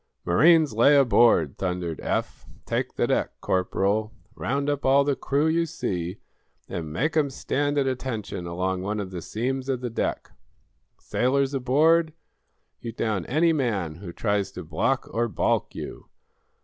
"Marines, lay aboard," thundered Eph. "Take the deck, Corporal. Round up all the crew you see, and make 'em stand at attention along one of the seams of the deck! Sailors aboard, you down any man who tries to block or balk you.